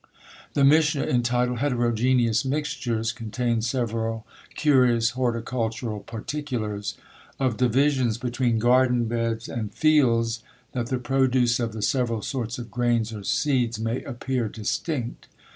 The Mishna, entitled Heterogeneous Mixtures, contains several curious horticultural particulars. Of divisions between garden beds and fields, that the produce of the several sorts of grains or seeds may appear distinct.